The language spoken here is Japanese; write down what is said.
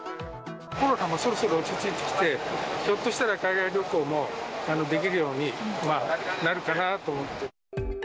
コロナもそろそろ落ち着いてきて、ひょっとしたら海外旅行もできるようになるかなと思って。